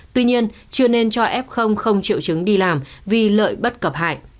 tuy nhiên chưa nên cho f không triệu chứng đi làm vì lợi bất cập hại